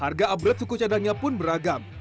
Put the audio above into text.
harga upgrade suku cadangnya pun beragam